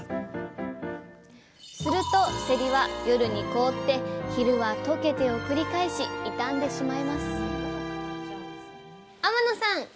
するとせりは夜に凍って昼はとけてを繰り返し傷んでしまいます天野さん